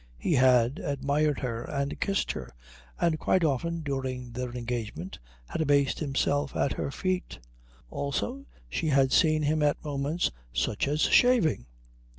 He had admired her, and kissed her, and quite often during their engagement had abased himself at her feet. Also she had seen him at moments such as shaving.